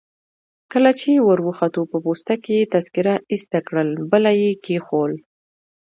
کله چي وروختو په پوسته کي يې تذکیره ایسته کړل، بله يي کښېښول.